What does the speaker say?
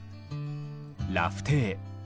ラフテー。